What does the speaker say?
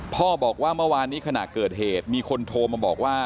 บอกว่าเมื่อวานนี้ขณะเกิดเหตุมีคนโทรมาบอกว่า